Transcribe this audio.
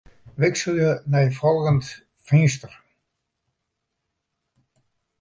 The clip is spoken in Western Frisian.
Wikselje nei folgjend finster.